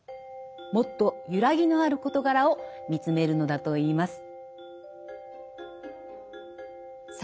もっと揺らぎのある事柄を見つめるのだといいます。